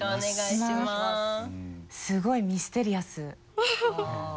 すごいミステリアス。